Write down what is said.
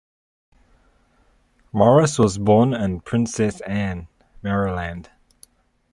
Morris was born in Princess Anne, Maryland.